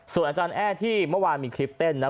ส่วนอาจารย์แอ้ที่เมื่อวานมีคลิปเต้นนะ